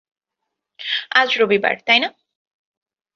আজ রবিবার, তাইনা?